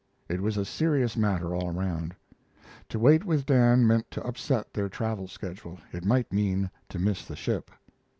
It was a serious matter all around. To wait with Dan meant to upset their travel schedule it might mean to miss the ship.